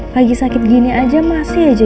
lagi sakit gini aja masih aja